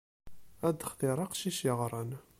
Ad textiṛ aqcic yeɣran.